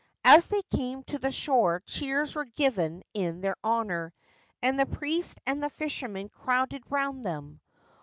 As they came to the shore cheers were given in their honour, and the priest and the fishermen crowded round them.